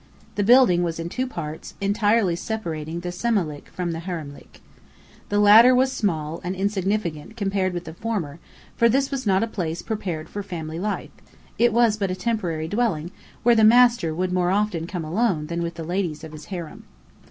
The building was in two parts, entirely separating the selamlik from the haremlik. The latter was small and insignificant compared with the former, for this was not a place prepared for family life: it was but a temporary dwelling, where the master would more often come alone than with the ladies of his harem.